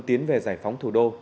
tiến về giải phóng thủ đô